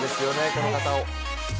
この方を。